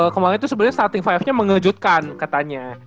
kemaren itu sebenernya starting lima nya mengejutkan katanya